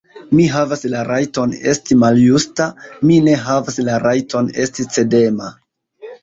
Mi havas la rajton esti maljusta; mi ne havas la rajton esti cedema.